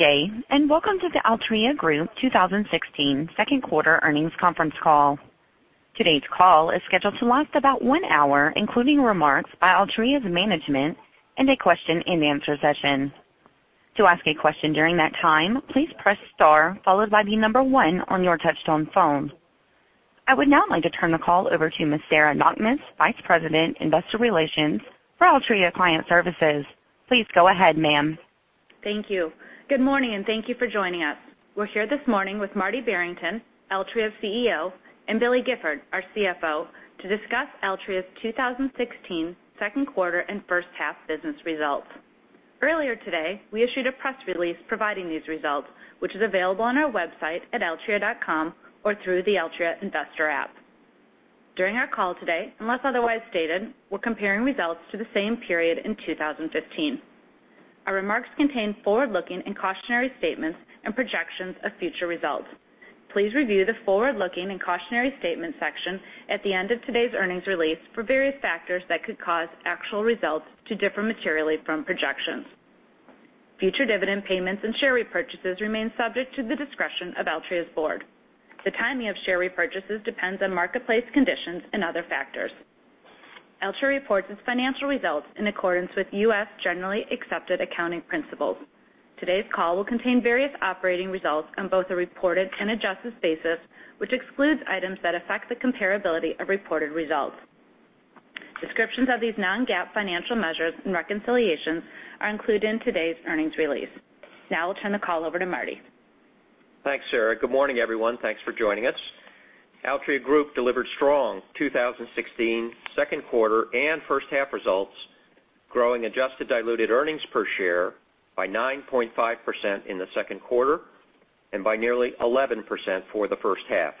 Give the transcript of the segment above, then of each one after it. Good day, welcome to the Altria Group 2016 second quarter earnings conference call. Today's call is scheduled to last about one hour, including remarks by Altria's management and a question-and-answer session. To ask a question during that time, please press star followed by the number one on your touch-tone phone. I would now like to turn the call over to Ms. Sarah Knakmuhs, Vice President, Investor Relations for Altria Client Services. Please go ahead, ma'am. Thank you. Good morning, thank you for joining us. We're here this morning with Martin Barrington, Altria's CEO, and William Gifford, our CFO, to discuss Altria's 2016 second quarter and first half business results. Earlier today, we issued a press release providing these results, which is available on our website at altria.com or through the Altria investor app. During our call today, unless otherwise stated, we're comparing results to the same period in 2015. Our remarks contain forward-looking and cautionary statements and projections of future results. Please review the forward-looking and cautionary statements section at the end of today's earnings release for various factors that could cause actual results to differ materially from projections. Future dividend payments and share repurchases remain subject to the discretion of Altria's board. The timing of share repurchases depends on marketplace conditions and other factors. Altria reports its financial results in accordance with U.S. generally accepted accounting principles. Today's call will contain various operating results on both a reported and adjusted basis, which excludes items that affect the comparability of reported results. Descriptions of these non-GAAP financial measures and reconciliations are included in today's earnings release. I'll turn the call over to Marty. Thanks, Sarah. Good morning, everyone. Thanks for joining us. Altria Group delivered strong 2016 second quarter and first half results, growing adjusted diluted earnings per share by 9.5% in the second quarter and by nearly 11% for the first half.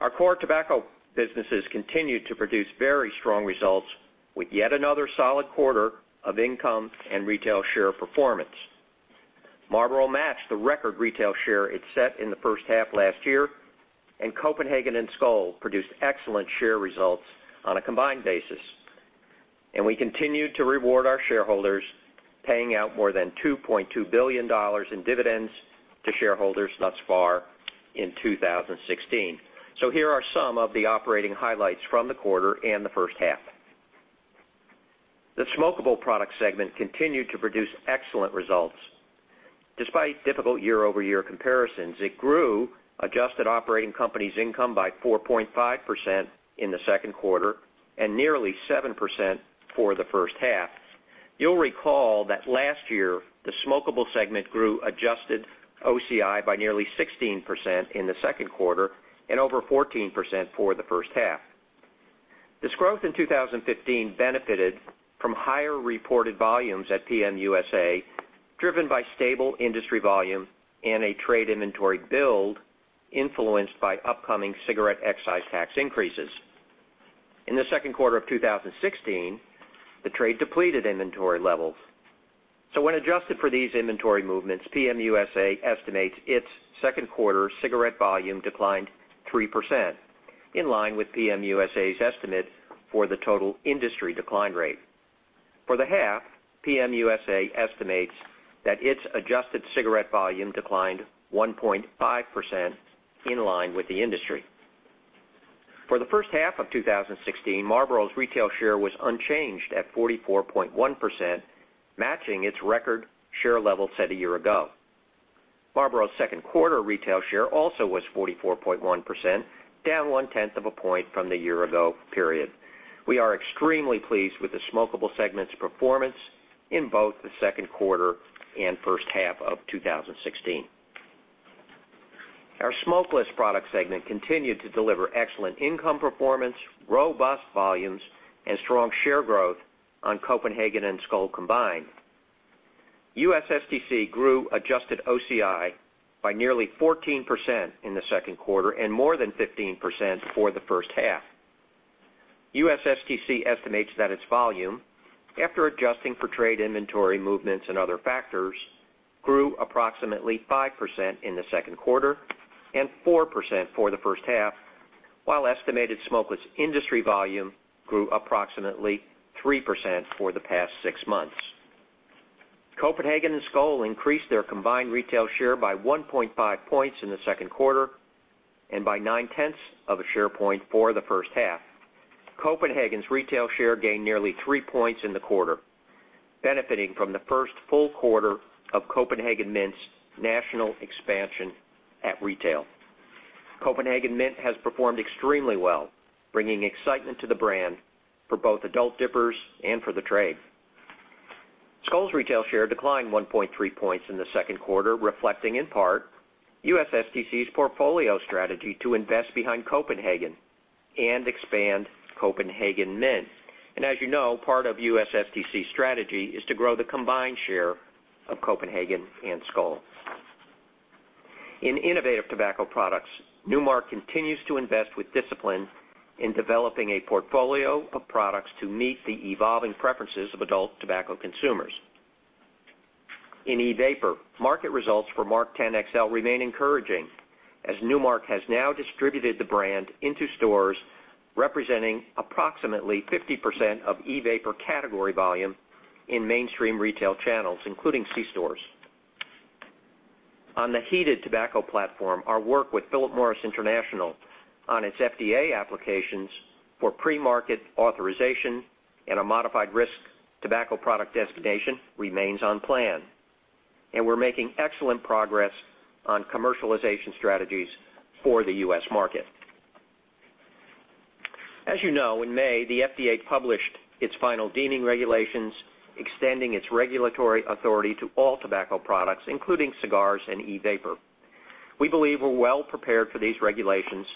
Our core tobacco businesses continued to produce very strong results, with yet another solid quarter of income and retail share performance. Marlboro matched the record retail share it set in the first half last year, Copenhagen and Skoal produced excellent share results on a combined basis. We continued to reward our shareholders, paying out more than $2.2 billion in dividends to shareholders thus far in 2016. Here are some of the operating highlights from the quarter and the first half. The smokable product segment continued to produce excellent results. Despite difficult year-over-year comparisons, it grew adjusted operating companies income by 4.5% in the second quarter and nearly 7% for the first half. You'll recall that last year, the smokable segment grew adjusted OCI by nearly 16% in the second quarter and over 14% for the first half. This growth in 2015 benefited from higher reported volumes at PM USA, driven by stable industry volume and a trade inventory build influenced by upcoming cigarette excise tax increases. In the second quarter of 2016, the trade depleted inventory levels. When adjusted for these inventory movements, PM USA estimates its second quarter cigarette volume declined 3%, in line with PM USA's estimate for the total industry decline rate. For the half, PM USA estimates that its adjusted cigarette volume declined 1.5%, in line with the industry. For the first half of 2016, Marlboro's retail share was unchanged at 44.1%, matching its record share level set a year ago. Marlboro's second quarter retail share also was 44.1%, down one-tenth of a point from the year-ago period. We are extremely pleased with the smokable segment's performance in both the second quarter and first half of 2016. Our smokeless product segment continued to deliver excellent income performance, robust volumes, and strong share growth on Copenhagen and Skoal combined. USSTC grew adjusted OCI by nearly 14% in the second quarter and more than 15% for the first half. USSTC estimates that its volume, after adjusting for trade inventory movements and other factors, grew approximately 5% in the second quarter and 4% for the first half, while estimated smokeless industry volume grew approximately 3% for the past six months. Copenhagen and Skoal increased their combined retail share by 1.5 points in the second quarter and by nine-tenths of a share point for the first half. Copenhagen's retail share gained nearly three points in the quarter, benefiting from the first full quarter of Copenhagen Mint's national expansion at retail. Copenhagen Mint has performed extremely well, bringing excitement to the brand for both adult dippers and for the trade. Skoal's retail share declined 1.3 points in the second quarter, reflecting in part USSTC's portfolio strategy to invest behind Copenhagen and expand Copenhagen Mint. As you know, part of USSTC's strategy is to grow the combined share of Copenhagen and Skoal. In innovative tobacco products, Nu Mark continues to invest with discipline in developing a portfolio of products to meet the evolving preferences of adult tobacco consumers. In e-vapor, market results for MarkTen XL remain encouraging. Nu Mark has now distributed the brand into stores representing approximately 50% of e-vapor category volume in mainstream retail channels, including c-stores. On the heated tobacco platform, our work with Philip Morris International on its FDA applications for pre-market authorization and a modified risk tobacco product designation remains on plan, and we're making excellent progress on commercialization strategies for the U.S. market. As you know, in May, the FDA published its final deeming regulations, extending its regulatory authority to all tobacco products, including cigars and e-vapor. We believe we're well prepared for these regulations,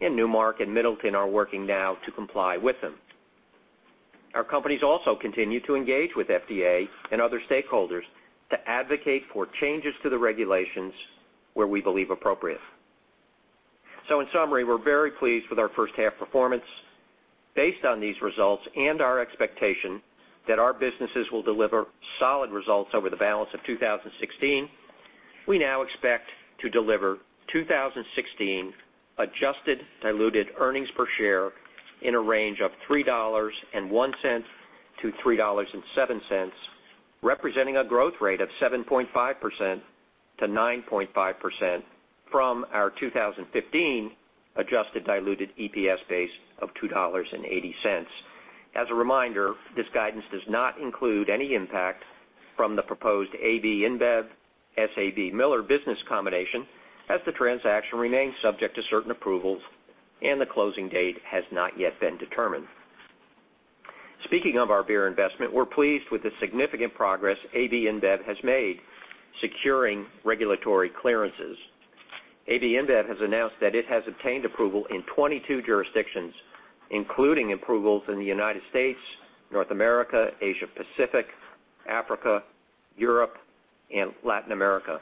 and Nu Mark and Middleton are working now to comply with them. Our companies also continue to engage with FDA and other stakeholders to advocate for changes to the regulations where we believe appropriate. In summary, we're very pleased with our first half performance. Based on these results and our expectation that our businesses will deliver solid results over the balance of 2016, we now expect to deliver 2016 adjusted diluted earnings per share in a range of $3.01-$3.07, representing a growth rate of 7.5%-9.5% from our 2015 adjusted diluted EPS base of $2.80. As a reminder, this guidance does not include any impact from the proposed AB InBev, SABMiller business combination as the transaction remains subject to certain approvals and the closing date has not yet been determined. Speaking of our beer investment, we're pleased with the significant progress AB InBev has made securing regulatory clearances. AB InBev has announced that it has obtained approval in 22 jurisdictions, including approvals in the United States, North America, Asia Pacific, Africa, Europe, and Latin America.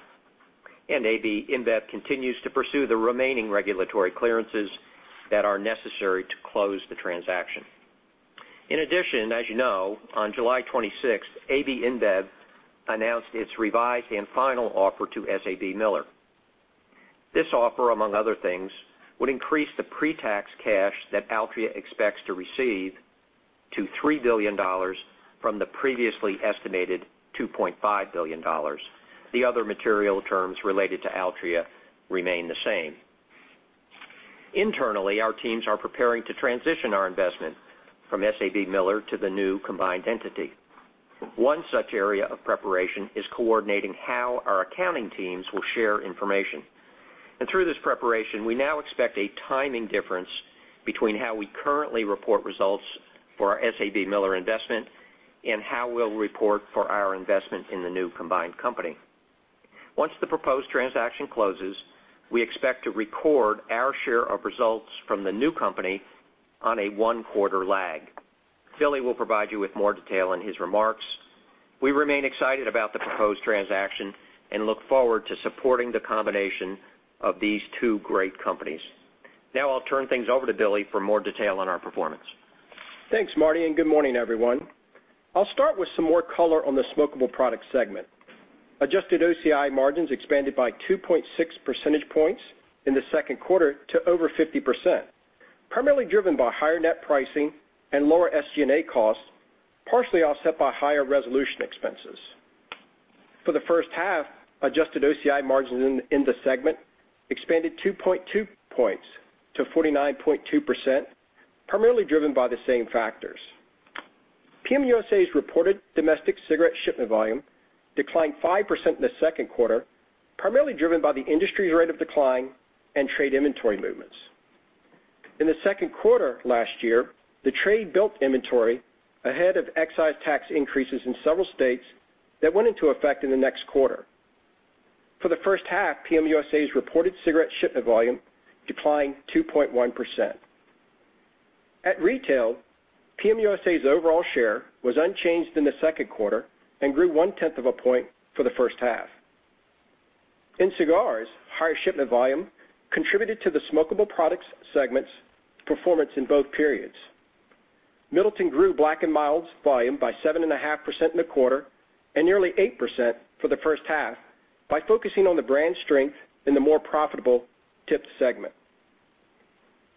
AB InBev continues to pursue the remaining regulatory clearances that are necessary to close the transaction. In addition, as you know, on July 26th, AB InBev announced its revised and final offer to SABMiller. This offer, among other things, would increase the pre-tax cash that Altria expects to receive to $3 billion from the previously estimated $2.5 billion. The other material terms related to Altria remain the same. Internally, our teams are preparing to transition our investment from SABMiller to the new combined entity. One such area of preparation is coordinating how our accounting teams will share information. Through this preparation, we now expect a timing difference between how we currently report results for our SABMiller investment and how we'll report for our investment in the new combined company. Once the proposed transaction closes, we expect to record our share of results from the new company on a one-quarter lag. Billy will provide you with more detail in his remarks. We remain excited about the proposed transaction and look forward to supporting the combination of these two great companies. I'll turn things over to Billy for more detail on our performance. Thanks, Marty, and good morning, everyone. I'll start with some more color on the smokable product segment. Adjusted OCI margins expanded by 2.6 percentage points in the second quarter to over 50%, primarily driven by higher net pricing and lower SG&A costs, partially offset by higher resolution expenses. For the first half, adjusted OCI margins in the segment expanded 2.2 points to 49.2%, primarily driven by the same factors. PM USA's reported domestic cigarette shipment volume declined 5% in the second quarter, primarily driven by the industry's rate of decline and trade inventory movements. In the second quarter last year, the trade built inventory ahead of excise tax increases in several states that went into effect in the next quarter. For the first half, PM USA's reported cigarette shipment volume declined 2.1%. At retail, PM USA's overall share was unchanged in the second quarter and grew one-tenth of a point for the first half. In cigars, higher shipment volume contributed to the smokable products segment's performance in both periods. Middleton grew Black & Mild's volume by 7.5% in the quarter and nearly 8% for the first half by focusing on the brand strength in the more profitable tipped segment.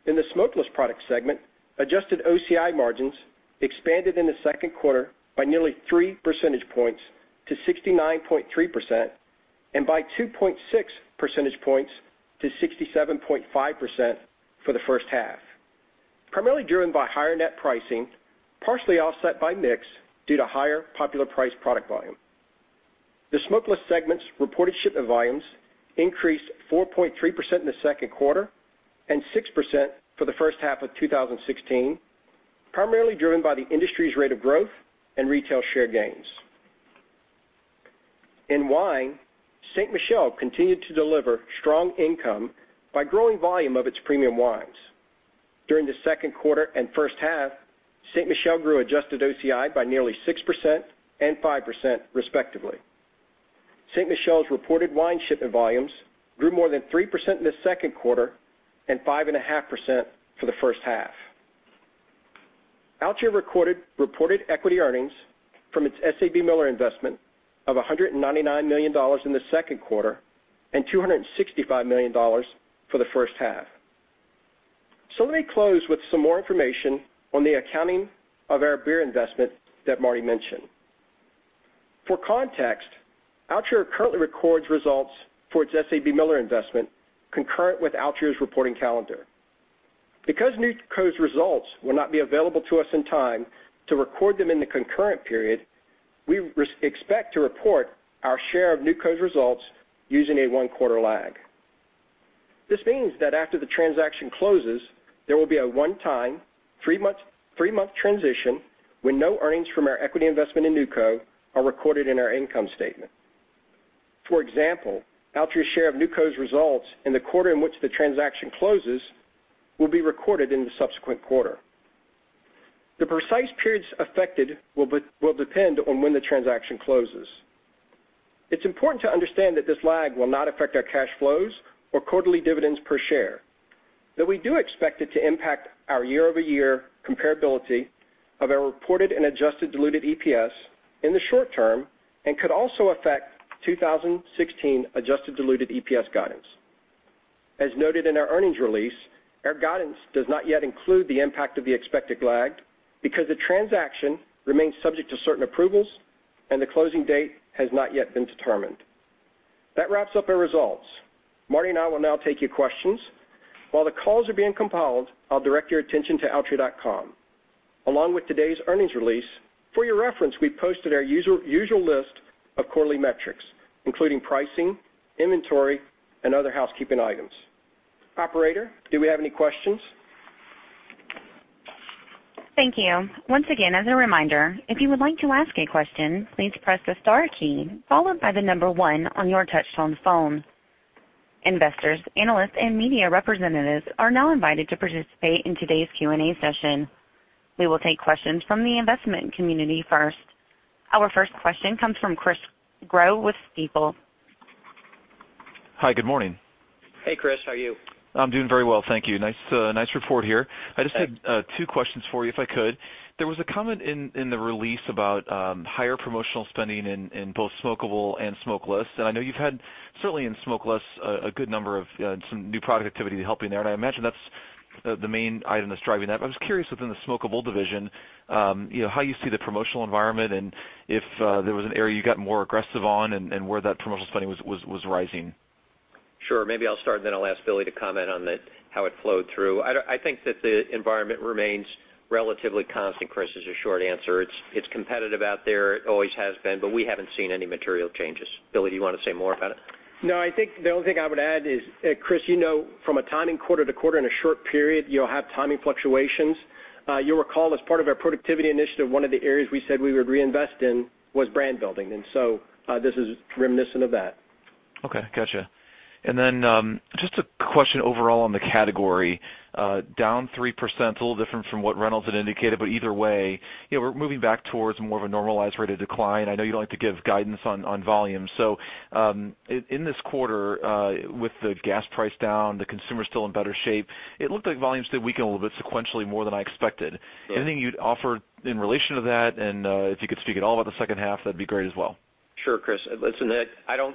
In the smokeless product segment, adjusted OCI margins expanded in the second quarter by nearly 3 percentage points to 69.3% and by 2.6 percentage points to 67.5% for the first half, primarily driven by higher net pricing, partially offset by mix due to higher popular price product volume. The smokeless segment's reported shipment volumes increased 4.3% in the second quarter and 6% for the first half of 2016, primarily driven by the industry's rate of growth and retail share gains. In wine, Ste. Michelle continued to deliver strong income by growing volume of its premium wines. During the second quarter and first half, Ste. Michelle grew adjusted OCI by nearly 6% and 5%, respectively. Ste. Michelle's reported wine shipment volumes grew more than 3% in the second quarter and 5.5% for the first half. Altria recorded reported equity earnings from its SABMiller investment of $199 million in the second quarter and $265 million for the first half. Let me close with some more information on the accounting of our beer investment that Marty mentioned. For context, Altria currently records results for its SABMiller investment concurrent with Altria's reporting calendar. Because NewCo's results will not be available to us in time to record them in the concurrent period, we expect to report our share of NewCo's results using a one-quarter lag. This means that after the transaction closes, there will be a one-time, three-month transition when no earnings from our equity investment in NewCo are recorded in our income statement. For example, Altria's share of NewCo's results in the quarter in which the transaction closes will be recorded in the subsequent quarter. The precise periods affected will depend on when the transaction closes. It's important to understand that this lag will not affect our cash flows or quarterly dividends per share. We do expect it to impact our year-over-year comparability of our reported and adjusted diluted EPS in the short term and could also affect 2016 adjusted diluted EPS guidance. As noted in our earnings release, our guidance does not yet include the impact of the expected lag because the transaction remains subject to certain approvals and the closing date has not yet been determined. Wraps up our results. Marty and I will now take your questions. While the calls are being compiled, I'll direct your attention to altria.com. Along with today's earnings release, for your reference, we posted our usual list of quarterly metrics, including pricing, inventory, and other housekeeping items. Operator, do we have any questions? Thank you. Once again, as a reminder, if you would like to ask a question, please press the star key followed by the number one on your touchtone phone. Investors, analysts, and media representatives are now invited to participate in today's Q&A session. We will take questions from the investment community first. Our first question comes from Chris Growe with Stifel. Hi, good morning. Hey, Chris, how are you? I'm doing very well, thank you. Nice report here. Thanks. I just had two questions for you, if I could. There was a comment in the release about higher promotional spending in both smokable and smokeless. I know you've had, certainly in smokeless, a good number of some new product activity helping there, and I imagine that's the main item that's driving that. I was curious within the smokable division, how you see the promotional environment and if there was an area you got more aggressive on and where that promotional spending was rising. Sure. Maybe I'll start. Then I'll ask Billy to comment on how it flowed through. I think that the environment remains relatively constant, Chris, is your short answer. It's competitive out there. It always has been. We haven't seen any material changes. Billy, do you want to say more about it? I think the only thing I would add is, Chris, you know from a timing quarter to quarter in a short period, you'll have timing fluctuations. You'll recall as part of our productivity initiative, one of the areas we said we would reinvest in was brand building. This is reminiscent of that. Okay, got you. Just a question overall on the category. Down 3%, a little different from what Reynolds American had indicated. Either way, we're moving back towards more of a normalized rate of decline. I know you don't like to give guidance on volume. In this quarter, with the gas price down, the consumer's still in better shape, it looked like volumes did weaken a little bit sequentially more than I expected. Sure. Anything you'd offer in relation to that? If you could speak at all about the second half, that'd be great as well. Sure, Chris. Listen,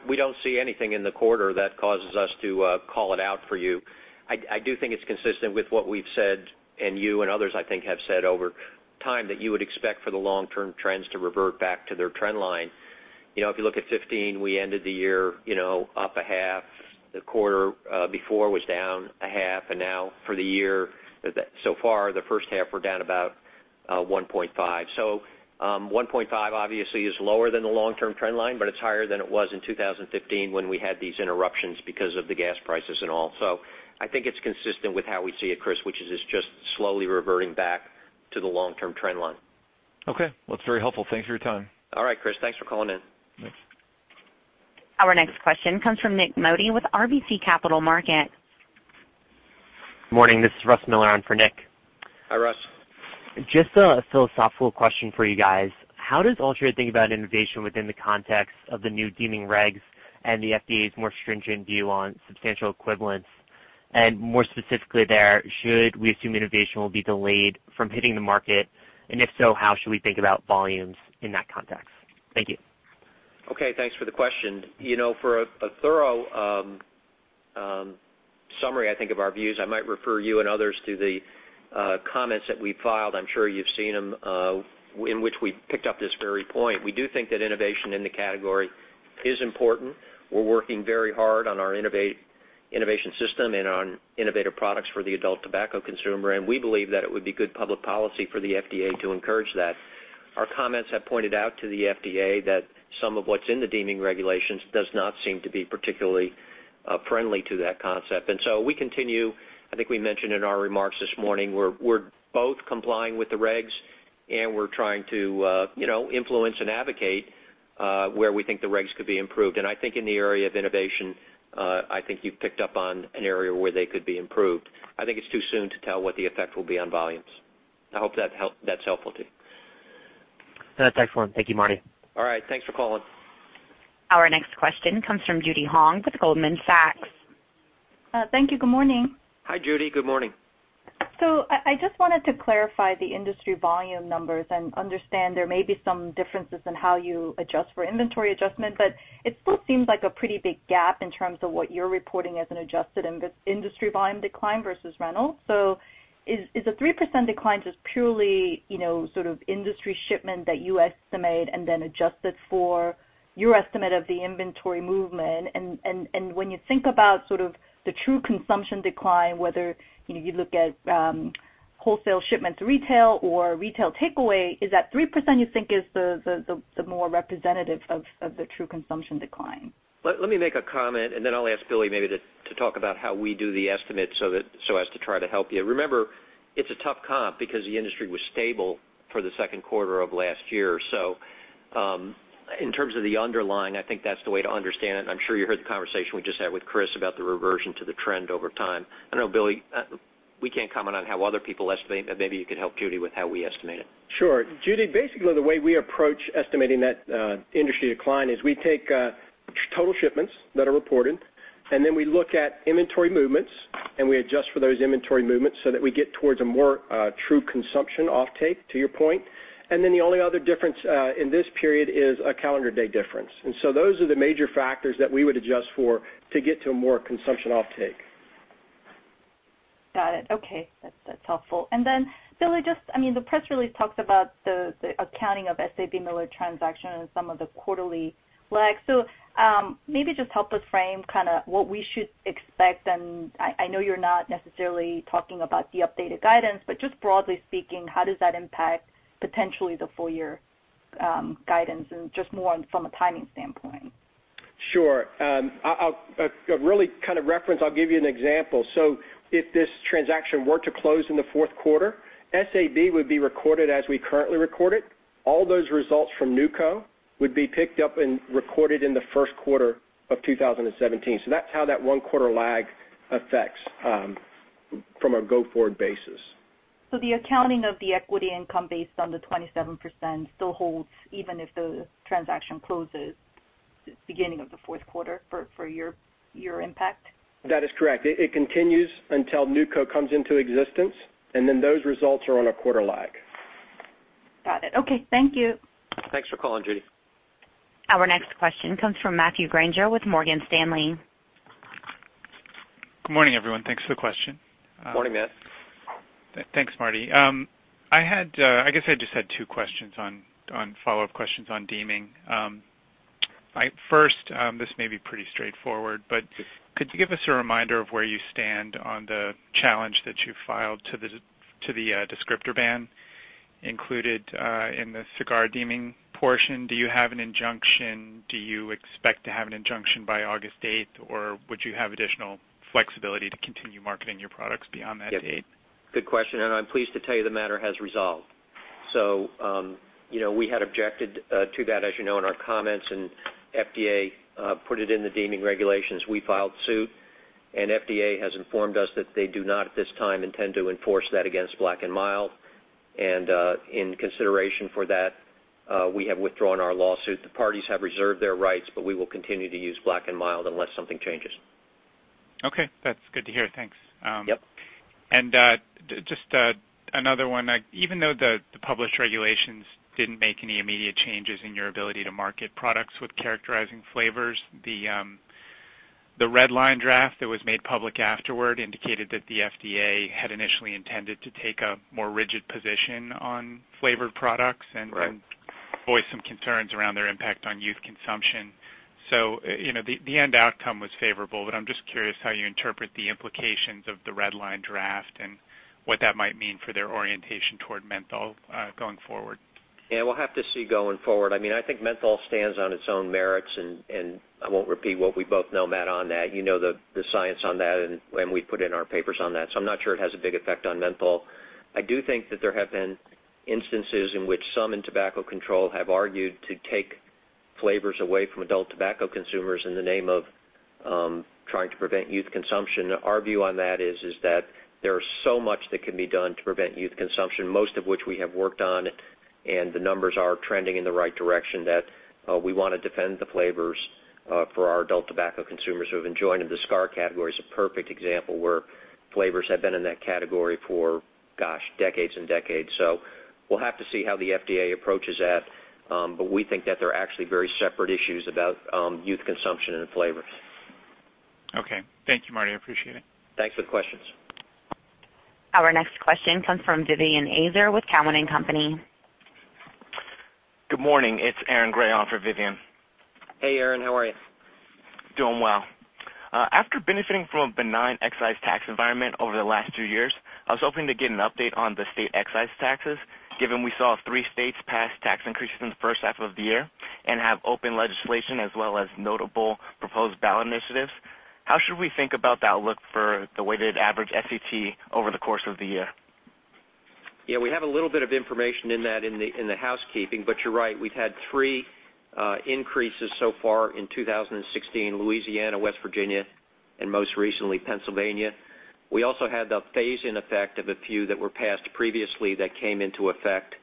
we don't see anything in the quarter that causes us to call it out for you. I do think it's consistent with what we've said, and you and others, I think, have said over time, that you would expect for the long-term trends to revert back to their trend line. If you look at 2015, we ended the year up a half. The quarter before was down a half, and now for the year so far, the first half we're down about 1.5. 1.5 obviously is lower than the long-term trend line, but it's higher than it was in 2015 when we had these interruptions because of the gas prices and all. I think it's consistent with how we see it, Chris, which is it's just slowly reverting back to the long-term trend line. Okay. Well, that's very helpful. Thanks for your time. All right, Chris, thanks for calling in. Thanks. Our next question comes from Nik Modi with RBC Capital Markets. Morning. This is Russell Miller on for Nik. Hi, Russ. Just a philosophical question for you guys. How does Altria think about innovation within the context of the new deeming regs and the FDA's more stringent view on substantial equivalence? More specifically there, should we assume innovation will be delayed from hitting the market? If so, how should we think about volumes in that context? Thank you. Okay, thanks for the question. For a thorough summary, I think, of our views, I might refer you and others to the comments that we filed, I'm sure you've seen them, in which we picked up this very point. We do think that innovation in the category is important. We're working very hard on our innovation system and on innovative products for the adult tobacco consumer, and we believe that it would be good public policy for the FDA to encourage that. Our comments have pointed out to the FDA that some of what's in the deeming regulations does not seem to be particularly friendly to that concept. We continue, I think we mentioned in our remarks this morning, we're both complying with the regs and we're trying to influence and advocate where we think the regs could be improved. I think in the area of innovation, I think you've picked up on an area where they could be improved. I think it's too soon to tell what the effect will be on volumes. I hope that's helpful to you. That's excellent. Thank you, Marty. All right. Thanks for calling. Our next question comes from Judy Hong with Goldman Sachs. Thank you. Good morning. Hi, Judy. Good morning. I just wanted to clarify the industry volume numbers and understand there may be some differences in how you adjust for inventory adjustment. It still seems like a pretty big gap in terms of what you're reporting as an adjusted industry volume decline versus Reynolds. Is the 3% decline just purely industry shipment that you estimate and then adjusted for your estimate of the inventory movement? And when you think about the true consumption decline, whether you look at wholesale shipment to retail or retail takeaway, is that 3% you think is the more representative of the true consumption decline? Let me make a comment, then I'll ask Billy maybe to talk about how we do the estimate so as to try to help you. Remember, it's a tough comp because the industry was stable for the 2nd quarter of last year. In terms of the underlying, I think that's the way to understand it, and I'm sure you heard the conversation we just had with Chris about the reversion to the trend over time. I know, Billy, we can't comment on how other people estimate, but maybe you could help Judy with how we estimate it. Sure. Judy, basically, the way we approach estimating that industry decline is we take total shipments that are reported, then we look at inventory movements, and we adjust for those inventory movements so that we get towards a more true consumption offtake, to your point. The only other difference in this period is a calendar day difference. Those are the major factors that we would adjust for to get to a more consumption offtake. Got it. Okay. That's helpful. Billy, the press release talks about the accounting of SABMiller transaction and some of the quarterly lag. Maybe just help us frame what we should expect, and I know you're not necessarily talking about the updated guidance, but just broadly speaking, how does that impact potentially the full-year guidance and just more from a timing standpoint? Sure. I'll really reference, I'll give you an example. If this transaction were to close in the 4th quarter, SABMiller would be recorded as we currently record it. All those results from NewCo would be picked up and recorded in the 1st quarter of 2017. That's how that one quarter lag affects from a go-forward basis. The accounting of the equity income based on the 27% still holds even if the transaction closes beginning of the fourth quarter for your impact? That is correct. It continues until NewCo comes into existence, and then those results are on a quarter lag. Got it. Okay. Thank you. Thanks for calling, Judy. Our next question comes from Matthew Grainger with Morgan Stanley. Good morning, everyone. Thanks for the question. Morning, Matt. Thanks, Marty. I guess I just had two follow-up questions on deeming. First, this may be pretty straightforward, but could you give us a reminder of where you stand on the challenge that you filed to the descriptor ban included in the cigar deeming portion? Do you have an injunction? Do you expect to have an injunction by August 8th, or would you have additional flexibility to continue marketing your products beyond that date? Good question. I'm pleased to tell you the matter has resolved. We had objected to that, as you know, in our comments. FDA put it in the deeming regulations. We filed suit. FDA has informed us that they do not at this time intend to enforce that against Black & Mild. In consideration for that, we have withdrawn our lawsuit. The parties have reserved their rights. We will continue to use Black & Mild unless something changes. Okay. That's good to hear. Thanks. Yep. Just another one. Even though the published regulations didn't make any immediate changes in your ability to market products with characterizing flavors, the red line draft that was made public afterward indicated that the FDA had initially intended to take a more rigid position on flavored products. Right Voiced some concerns around their impact on youth consumption. The end outcome was favorable. I'm just curious how you interpret the implications of the red line draft and what that might mean for their orientation toward menthol going forward. We'll have to see going forward. I think menthol stands on its own merits, and I won't repeat what we both know, Matt, on that. You know the science on that, and we've put in our papers on that. I'm not sure it has a big effect on menthol. I do think that there have been instances in which some in tobacco control have argued to take flavors away from adult tobacco consumers in the name of trying to prevent youth consumption. Our view on that is that there is so much that can be done to prevent youth consumption, most of which we have worked on, and the numbers are trending in the right direction, that we want to defend the flavors for our adult tobacco consumers who have enjoyed them. The cigar category is a perfect example where flavors have been in that category for, gosh, decades and decades. We'll have to see how the FDA approaches that. We think that they're actually very separate issues about youth consumption and flavors. Okay. Thank you, Marty. I appreciate it. Thanks for the questions. Our next question comes from Vivien Azer with Cowen and Company. Good morning. It's Aaron Grey on for Vivien. Hey, Aaron. How are you? Doing well. After benefiting from a benign excise tax environment over the last two years, I was hoping to get an update on the state excise taxes, given we saw three states pass tax increases in the first half of the year and have open legislation as well as notable proposed ballot initiatives. How should we think about the outlook for the weighted average SET over the course of the year? Yeah, we have a little bit of information in that in the housekeeping, but you're right. We've had 3 increases so far in 2016, Louisiana, West Virginia and most recently, Pennsylvania. We also had the phase-in effect of a few that were passed previously that came into effect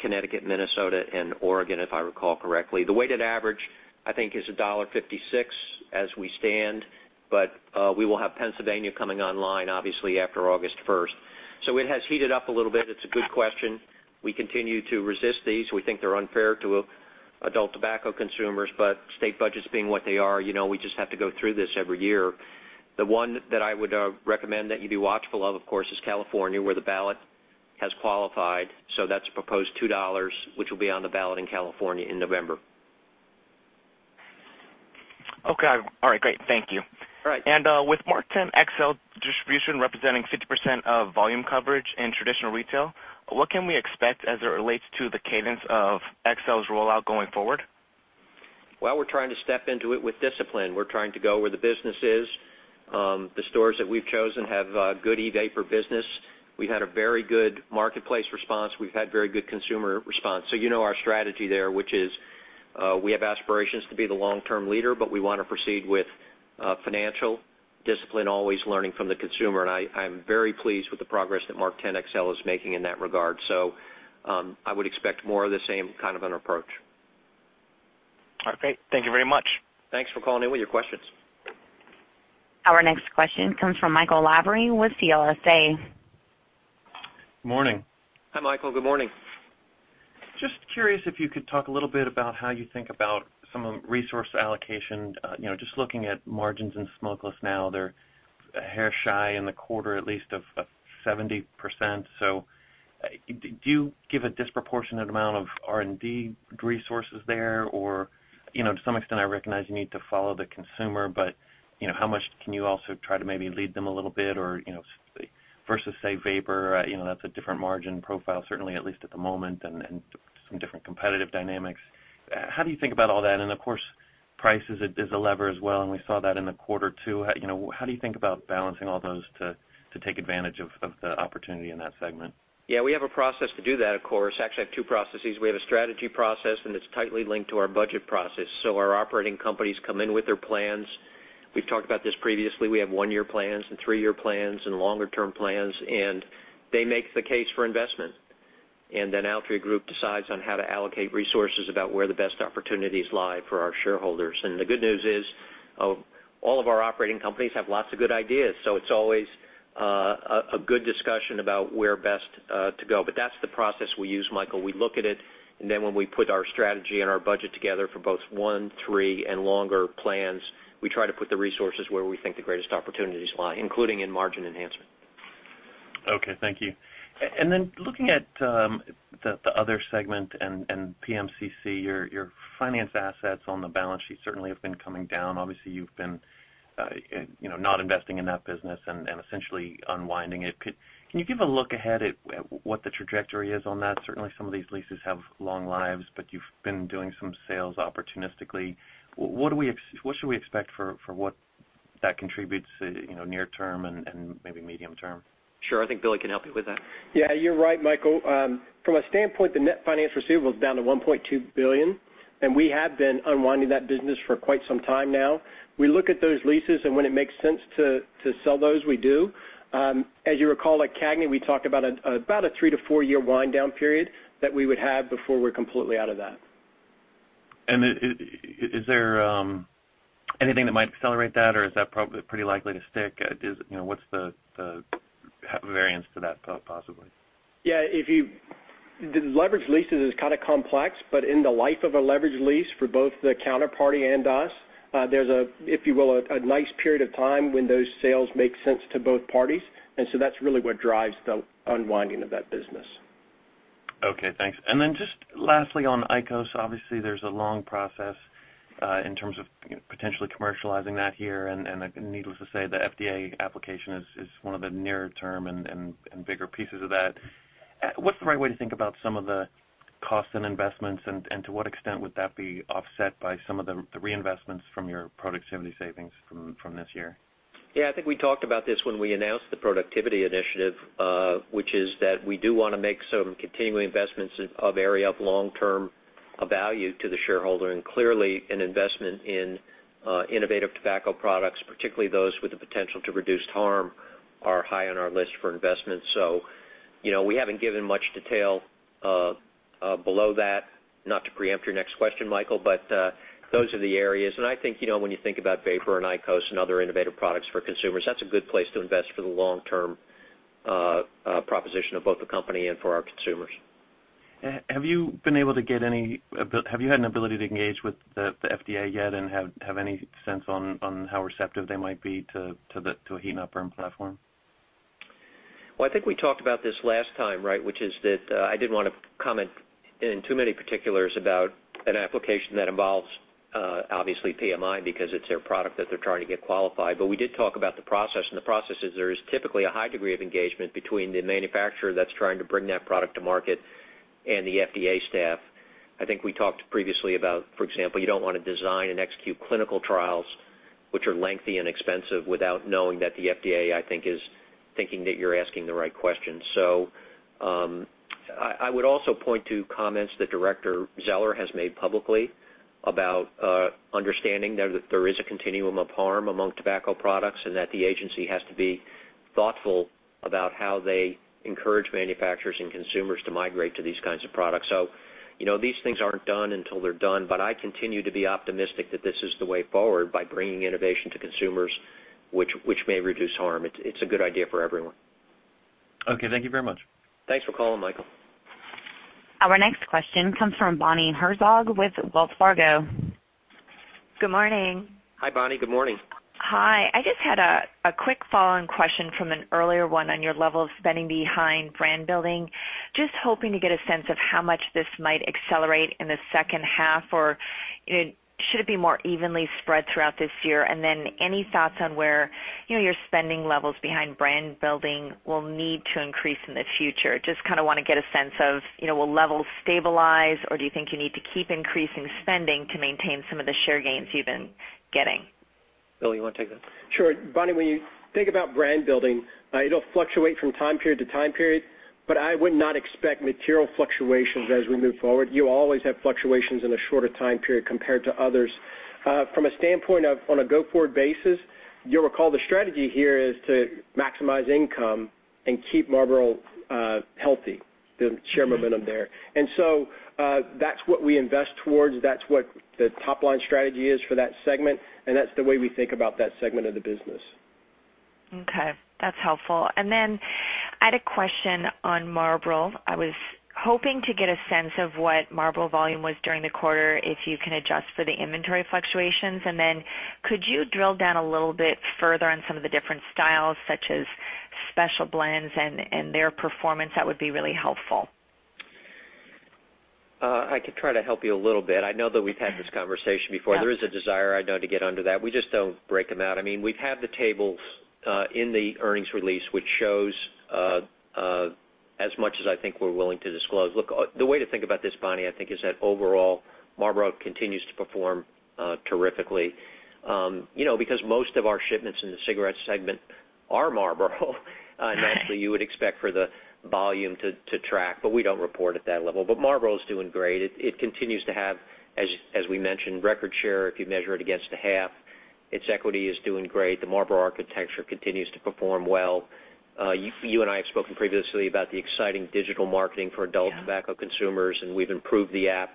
Connecticut, Minnesota, and Oregon, if I recall correctly. The weighted average, I think, is $1.56 as we stand, but we will have Pennsylvania coming online, obviously, after August 1st. It has heated up a little bit. It's a good question. State budgets being what they are, we just have to go through this every year. The one that I would recommend that you be watchful of course, is California, where the ballot has qualified. That's proposed $2, which will be on the ballot in California in November. Okay. All right, great. Thank you. All right. With MarkTen XL distribution representing 50% of volume coverage in traditional retail, what can we expect as it relates to the cadence of XL's rollout going forward? Well, we're trying to step into it with discipline. We're trying to go where the business is. The stores that we've chosen have good e-vapor business. We've had a very good marketplace response. We've had very good consumer response. You know our strategy there, which is we have aspirations to be the long-term leader, but we want to proceed with financial discipline, always learning from the consumer. I'm very pleased with the progress that MarkTen XL is making in that regard. I would expect more of the same kind of an approach. Okay. Thank you very much. Thanks for calling in with your questions. Our next question comes from Michael Lavery with CLSA. Morning. Hi, Michael. Good morning. Just curious if you could talk a little bit about how you think about some resource allocation. Just looking at margins in smokeless now, they're a hair shy in the quarter, at least of 70%. Do you give a disproportionate amount of R&D resources there? Or to some extent, I recognize you need to follow the consumer, but how much can you also try to maybe lead them a little bit versus, say, vapor? That's a different margin profile, certainly at least at the moment, and some different competitive dynamics. How do you think about all that? Of course, price is a lever as well, and we saw that in the quarter, too. How do you think about balancing all those to take advantage of the opportunity in that segment? Yeah, we have a process to do that, of course. Actually, I have two processes. We have a strategy process, and it's tightly linked to our budget process. Our operating companies come in with their plans. We've talked about this previously. We have one-year plans and three-year plans and longer-term plans, and they make the case for investment. Altria Group decides on how to allocate resources about where the best opportunities lie for our shareholders. The good news is all of our operating companies have lots of good ideas. It's always a good discussion about where best to go. That's the process we use, Michael. We look at it, and when we put our strategy and our budget together for both one, three, and longer plans, we try to put the resources where we think the greatest opportunities lie, including in margin enhancement. Okay. Thank you. Then looking at the other segment and PMCC, your finance assets on the balance sheet certainly have been coming down. Obviously, you've been not investing in that business and essentially unwinding it. Can you give a look ahead at what the trajectory is on that? Certainly, some of these leases have long lives, but you've been doing some sales opportunistically. What should we expect for what that contributes near term and maybe medium term? Sure. I think Billy can help you with that. Yeah, you're right, Michael. From a standpoint, the net finance receivable is down to $1.2 billion, we have been unwinding that business for quite some time now. We look at those leases, when it makes sense to sell those, we do. As you recall, at CAGNY, we talked about a three- to four-year wind down period that we would have before we're completely out of that. Is there anything that might accelerate that, is that pretty likely to stick? What's the variance to that, possibly? Yeah. The leveraged leases is kind of complex, in the life of a leveraged lease for both the counterparty and us, there's a, if you will, a nice period of time when those sales make sense to both parties. That's really what drives the unwinding of that business. Okay, thanks. Just lastly on IQOS, obviously, there's a long process in terms of potentially commercializing that here. Needless to say, the FDA application is one of the nearer-term and bigger pieces of that. What's the right way to think about some of the costs and investments, and to what extent would that be offset by some of the reinvestments from your productivity savings from this year? Yeah, I think we talked about this when we announced the productivity initiative, which is that we do want to make some continuing investments of area of long-term value to the shareholder. Clearly, an investment in innovative tobacco products, particularly those with the potential to reduce harm, are high on our list for investment. We haven't given much detail below that. Not to preempt your next question, Michael, those are the areas. I think when you think about vapor and IQOS and other innovative products for consumers, that's a good place to invest for the long-term proposition of both the company and for our consumers. Have you had an ability to engage with the FDA yet and have any sense on how receptive they might be to a heat-not-burn platform? Well, I think we talked about this last time, right? I didn't want to comment in too many particulars about an application that involves, obviously, PMI because it's their product that they're trying to get qualified. We did talk about the process, and the process is there is typically a high degree of engagement between the manufacturer that's trying to bring that product to market and the FDA staff. I think we talked previously about, for example, you don't want to design and execute clinical trials, which are lengthy and expensive, without knowing that the FDA, I think, is thinking that you're asking the right questions. I would also point to comments that Director Zeller has made publicly about understanding that there is a continuum of harm among tobacco products, and that the agency has to be thoughtful about how they encourage manufacturers and consumers to migrate to these kinds of products. These things aren't done until they're done, but I continue to be optimistic that this is the way forward by bringing innovation to consumers, which may reduce harm. It's a good idea for everyone. Okay. Thank you very much. Thanks for calling, Michael. Our next question comes from Bonnie Herzog with Wells Fargo. Good morning. Hi, Bonnie. Good morning. Hi. I just had a quick follow-on question from an earlier one on your level of spending behind brand building. Just hoping to get a sense of how much this might accelerate in the second half, or should it be more evenly spread throughout this year? Then any thoughts on where your spending levels behind brand building will need to increase in the future? Just want to get a sense of will levels stabilize, or do you think you need to keep increasing spending to maintain some of the share gains you've been getting? Billy, you want to take that? Sure. Bonnie, when you think about brand building, it'll fluctuate from time period to time period, but I would not expect material fluctuations as we move forward. You always have fluctuations in a shorter time period compared to others. From a standpoint of on a go-forward basis, you'll recall the strategy here is to maximize income and keep Marlboro healthy, the share momentum there. That's what we invest towards. That's what the top-line strategy is for that segment. That's the way we think about that segment of the business. Okay. That's helpful. I had a question on Marlboro. I was hoping to get a sense of what Marlboro volume was during the quarter, if you can adjust for the inventory fluctuations. Could you drill down a little bit further on some of the different styles, such as Special Blends and their performance? That would be really helpful. I could try to help you a little bit. I know that we've had this conversation before. There is a desire, I know, to get under that. We just don't break them out. We've had the tables in the earnings release, which shows as much as I think we're willing to disclose. Look, the way to think about this, Bonnie, I think, is that overall, Marlboro continues to perform terrifically. Because most of our shipments in the cigarette segment are Marlboro, naturally you would expect for the volume to track, but we don't report at that level. Marlboro's doing great. It continues to have, as we mentioned, record share if you measure it against a half. Its equity is doing great. The Marlboro architecture continues to perform well. You and I have spoken previously about the exciting digital marketing for adult tobacco consumers, and we've improved the app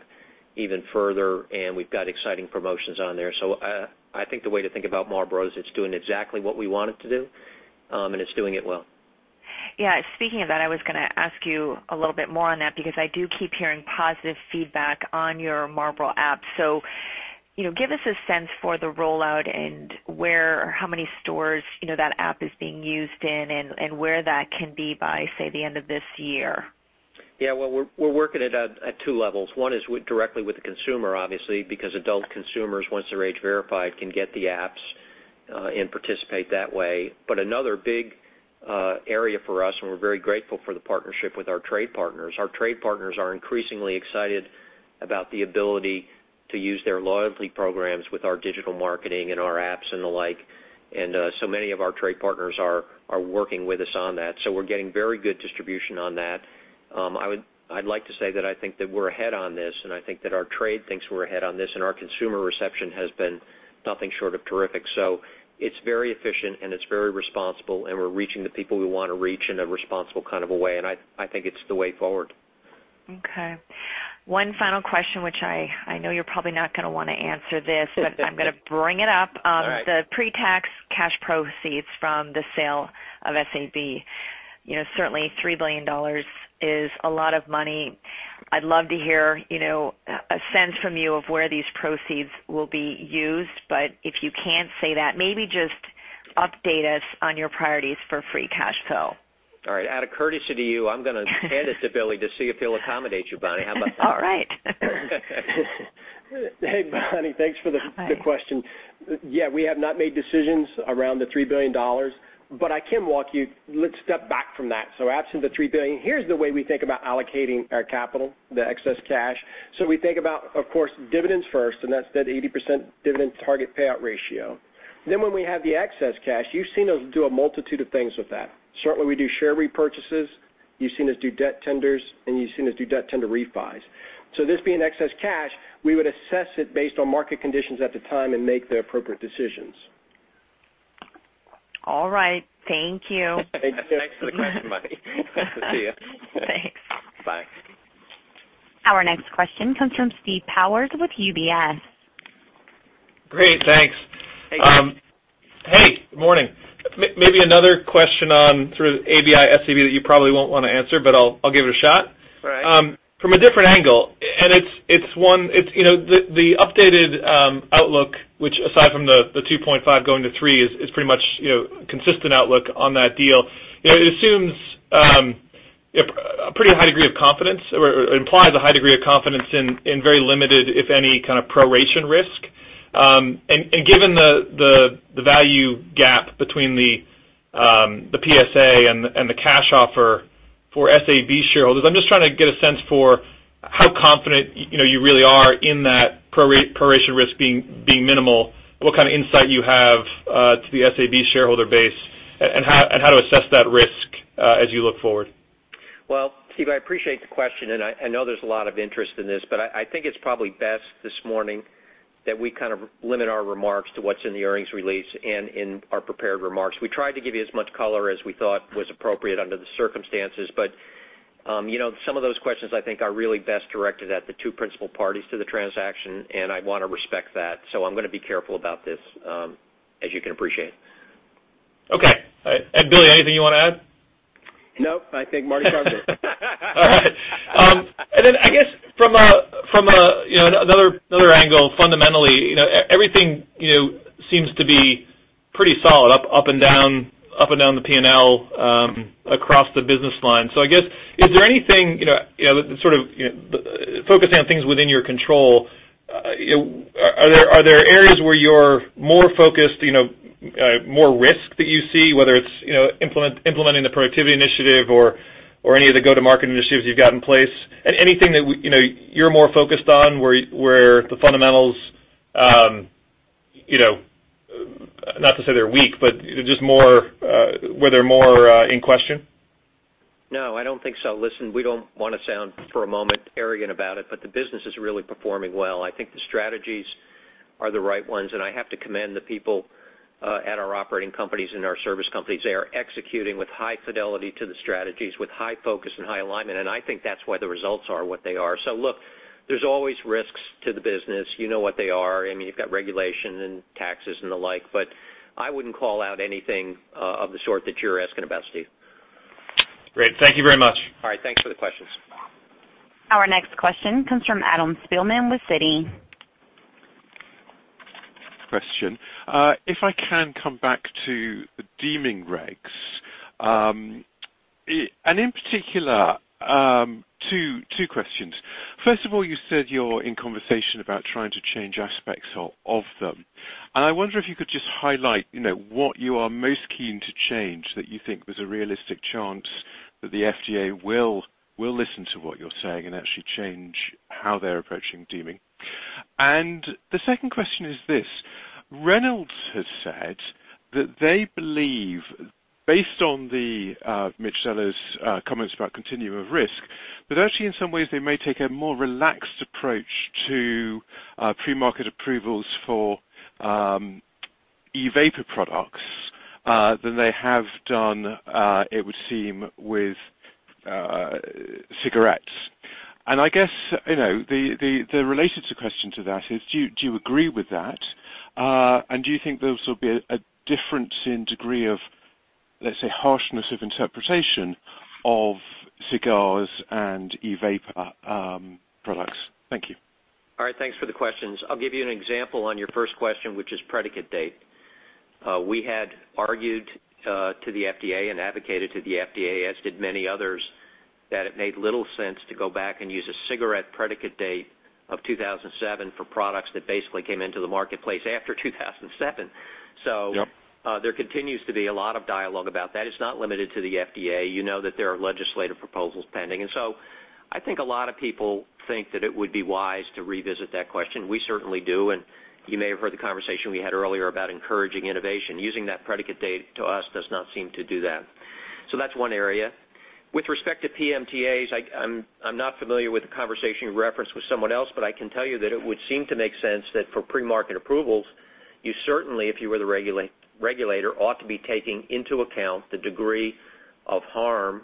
even further, and we've got exciting promotions on there. I think the way to think about Marlboro is it's doing exactly what we want it to do, and it's doing it well. Yeah. Speaking of that, I was going to ask you a little bit more on that, because I do keep hearing positive feedback on your Marlboro app. Give us a sense for the rollout and how many stores that app is being used in and where that can be by, say, the end of this year. Yeah. Well, we're working at two levels. One is directly with the consumer, obviously, because adult consumers, once they're age verified, can get the apps and participate that way. Another big area for us, and we're very grateful for the partnership with our trade partners, our trade partners are increasingly excited about the ability to use their loyalty programs with our digital marketing and our apps and the like. Many of our trade partners are working with us on that. We're getting very good distribution on that. I'd like to say that I think that we're ahead on this, and I think that our trade thinks we're ahead on this, and our consumer reception has been nothing short of terrific. It's very efficient, and it's very responsible, and we're reaching the people we want to reach in a responsible kind of a way. I think it's the way forward. Okay. One final question, which I know you're probably not going to want to answer this, but I'm going to bring it up. All right. The pre-tax cash proceeds from the sale of SABMiller. Certainly, $3 billion is a lot of money. I'd love to hear a sense from you of where these proceeds will be used. If you can't say that, maybe just update us on your priorities for free cash flow. All right. Out of courtesy to you, I'm going to hand it to Billy to see if he'll accommodate you, Bonnie. How about that? All right. Hey, Bonnie. Thanks for the question. Yeah, we have not made decisions around the $3 billion. Let's step back from that. Absent the $3 billion, here's the way we think about allocating our capital, the excess cash. We think about, of course, dividends first, and that's that 80% dividend target payout ratio. When we have the excess cash, you've seen us do a multitude of things with that. Certainly, we do share repurchases. You've seen us do debt tenders, and you've seen us do debt tender refis. This being excess cash, we would assess it based on market conditions at the time and make the appropriate decisions. All right. Thank you. Thanks for the question, Bonnie. Nice to see you. Thanks. Bye. Our next question comes from Steve Powers with UBS. Great. Thanks. Hey. Hey, good morning. Maybe another question on ABI, SABMiller that you probably won't want to answer, but I'll give it a shot. All right. The updated outlook, which aside from the 2.5 going to three is pretty much consistent outlook on that deal. It assumes a pretty high degree of confidence or implies a high degree of confidence in very limited, if any, kind of proration risk. Given the value gap between the PSA and the cash offer for SABMiller shareholders, I'm just trying to get a sense for how confident you really are in that proration risk being minimal? What kind of insight you have to the SABMiller shareholder base, and how to assess that risk as you look forward? Well, Steve, I appreciate the question. I know there's a lot of interest in this, but I think it's probably best this morning that we limit our remarks to what's in the earnings release and in our prepared remarks. We tried to give you as much color as we thought was appropriate under the circumstances, but some of those questions, I think, are really best directed at the two principal parties to the transaction. I want to respect that. I'm going to be careful about this, as you can appreciate. Okay. Billy, anything you want to add? Nope. I think Marty covered it. I guess from another angle, fundamentally, everything seems to be pretty solid up and down the P&L across the business line. I guess, is there anything, focusing on things within your control, are there areas where you're more focused, more risk that you see, whether it's implementing the productivity initiative or any of the go-to-market initiatives you've got in place? Anything that you're more focused on where the fundamentals, not to say they're weak, but where they're more in question? No, I don't think so. Listen, we don't want to sound, for a moment, arrogant about it, but the business is really performing well. I think the strategies are the right ones, and I have to commend the people at our operating companies and our service companies. They are executing with high fidelity to the strategies, with high focus and high alignment, and I think that's why the results are what they are. Look, there's always risks to the business. You know what they are. I mean, you've got regulation and taxes and the like, but I wouldn't call out anything of the sort that you're asking about, Steve. Great. Thank you very much. All right. Thanks for the questions. Our next question comes from Adam Spielman with Citi. Question. If I can come back to the deeming regs. In particular, two questions. First of all, you said you're in conversation about trying to change aspects of them. I wonder if you could just highlight what you are most keen to change that you think there's a realistic chance that the FDA will listen to what you're saying and actually change how they're approaching deeming. The second question is this. Reynolds has said that they believe, based on Mitch Zeller's comments about continuum of risk, that actually in some ways they may take a more relaxed approach to pre-market approvals for e-vapor products than they have done, it would seem, with cigarettes. I guess, the related question to that is, do you agree with that? Do you think there also will be a difference in degree of, let's say, harshness of interpretation of cigars and e-vapor products? Thank you. All right. Thanks for the questions. I'll give you an example on your first question, which is predicate date. We had argued to the FDA and advocated to the FDA, as did many others, that it made little sense to go back and use a cigarette predicate date of 2007 for products that basically came into the marketplace after 2007. Yep. There continues to be a lot of dialogue about that. It's not limited to the FDA. You know that there are legislative proposals pending. I think a lot of people think that it would be wise to revisit that question. We certainly do, and you may have heard the conversation we had earlier about encouraging innovation. Using that predicate date, to us, does not seem to do that. That's one area. With respect to PMTAs, I'm not familiar with the conversation you referenced with someone else, but I can tell you that it would seem to make sense that for pre-market approvals, you certainly, if you were the regulator, ought to be taking into account the degree of harm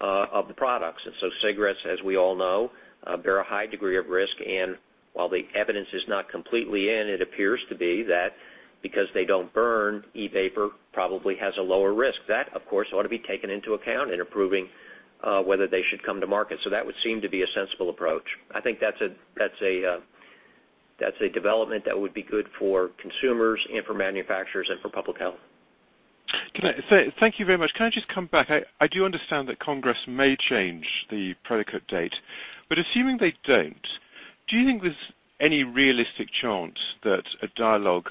of the products. Cigarettes, as we all know, bear a high degree of risk, and while the evidence is not completely in, it appears to be that because they don't burn, e-vapor probably has a lower risk. That, of course, ought to be taken into account in approving whether they should come to market. That would seem to be a sensible approach. I think that's a development that would be good for consumers and for manufacturers and for public health. Thank you very much. Can I just come back? I do understand that Congress may change the predicate date, assuming they don't, do you think there's any realistic chance that a dialogue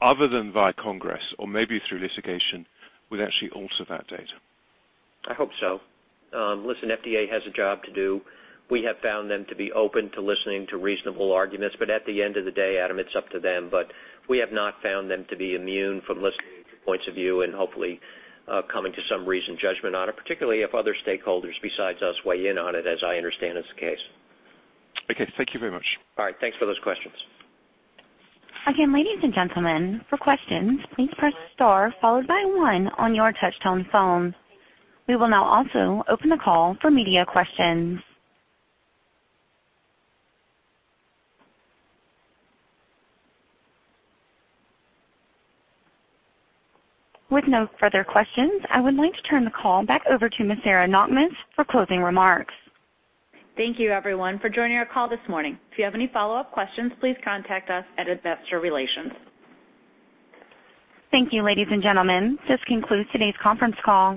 other than via Congress or maybe through litigation would actually alter that date? I hope so. Listen, FDA has a job to do. We have found them to be open to listening to reasonable arguments, but at the end of the day, Adam, it's up to them, we have not found them to be immune from listening to points of view and hopefully coming to some reasoned judgment on it, particularly if other stakeholders besides us weigh in on it, as I understand is the case. Okay. Thank you very much. All right. Thanks for those questions. Again, ladies and gentlemen, for questions, please press star followed by one on your touch tone phone. We will now also open the call for media questions. With no further questions, I would like to turn the call back over to Ms. Sarah Knakmuhs for closing remarks. Thank you everyone for joining our call this morning. If you have any follow-up questions, please contact us at Investor Relations. Thank you, ladies and gentlemen. This concludes today's conference call.